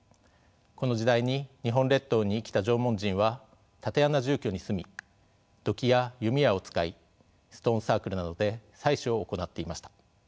この時代に日本列島に生きた縄文人は竪穴住居に住み土器や弓矢を使いストーンサークルなどで祭祀を行っていました。